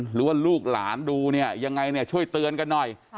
หรือว่าลูกหลานดูเนี่ยยังไงเนี่ยช่วยเตือนกันหน่อย